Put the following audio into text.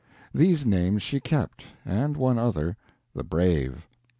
These names she kept, and one other—the Brave.